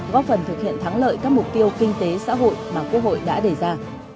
góp phần thực hiện thắng lợi các mục tiêu kinh tế xã hội mà quốc hội đã đề ra